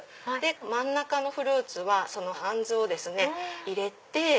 真ん中のフルーツはそのアンズを入れて。